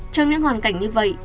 trong những hoàn cảnh như vậy